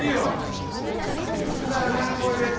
いるんだよなぁこういうやつ。